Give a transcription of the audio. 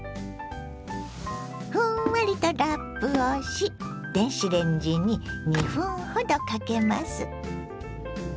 ふんわりとラップをし電子レンジに２分ほどかけます。